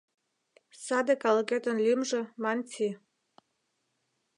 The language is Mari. — Саде калыкетын лӱмжӧ — манси.